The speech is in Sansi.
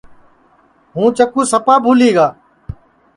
ہُوں چکُو سپا بھولی گا